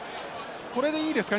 これでいいですか？